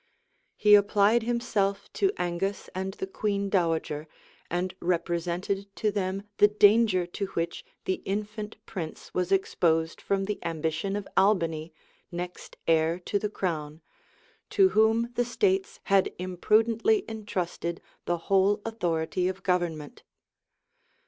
He applied himself to Angus and the queen dowager, and represented to them the danger to which the infant prince was exposed from the ambition of Albany, next heir to the crown, to whom the states had imprudently intrusted the whole authority of government.